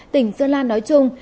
tỉnh sơn lan nói chung